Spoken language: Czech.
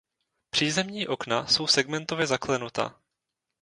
Přízemní okna jsou segmentově zaklenuta.